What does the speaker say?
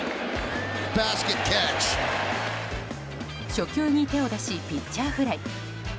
初球に手を出しピッチャーフライ。